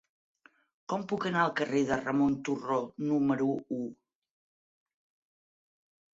Com puc anar al carrer de Ramon Turró número u?